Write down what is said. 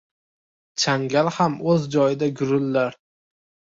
Changal ham o'z joyida gurillar.